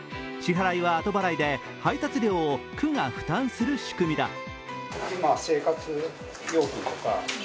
支払いは後払いで配達料を区が負担する仕組みだ。